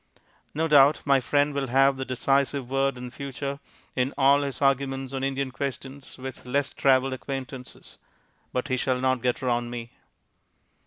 No doubt my friend will have the decisive word in future in all his arguments on Indian questions with less travelled acquaintances. But he shall not get round me.